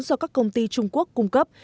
do các công ty trung quốc cung cấp